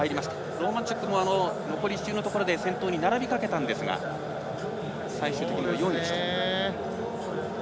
ローマンチャックも残り１周のところで先頭に並びかけたんですが最終的には４位でした。